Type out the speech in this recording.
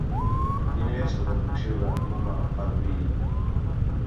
Quina és la traducció de Muma Pădurii?